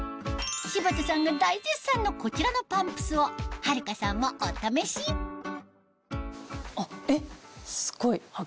柴田さんが大絶賛のこちらのパンプスを春香さんもお試しえっすっごい。